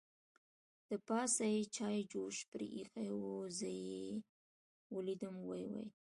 له پاسه یې چای جوش پرې اېښې وه، زه چې یې ولیدم ویې ویل.